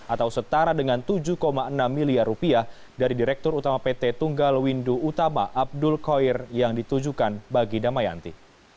atau setara dengan tujuh enam miliar rupiah dari direktur utama pt tunggal windu utama abdul koir yang ditujukan bagi damayanti